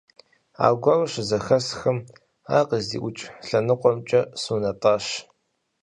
Аргуэру щызэхэсхым, ар къыздиӀукӀ лъэныкъуэмкӀэ сунэтӀащ.